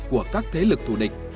của các thế lực thù địch